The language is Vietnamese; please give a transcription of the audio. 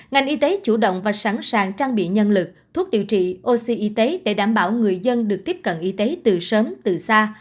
ngành y tế chủ động và sẵn sàng trang bị nhân lực thuốc điều trị oxy y tế để đảm bảo người dân được tiếp cận y tế từ sớm từ xa